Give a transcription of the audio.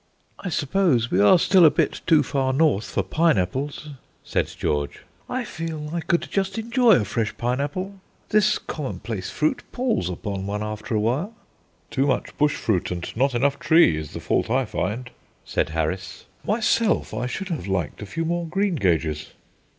"I suppose we are still a bit too far north for pineapples," said George. "I feel I could just enjoy a fresh pineapple. This commonplace fruit palls upon one after a while." "Too much bush fruit and not enough tree, is the fault I find," said Harris. "Myself, I should have liked a few more greengages."